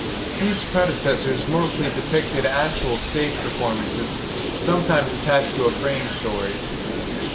These predecessors mostly depicted actual stage performances, sometimes attached to a frame story.